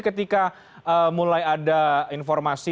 ketika mulai ada informasi